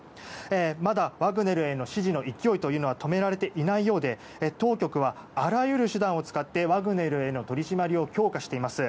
まだワグネルへの支持の勢いは止められていないようで当局は、あらゆる手段を使ってワグネルへの取り締まりを強化しています。